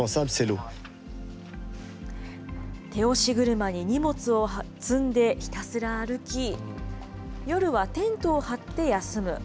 手押し車に荷物を積んで、ひたすら歩き、夜はテントを張って休む。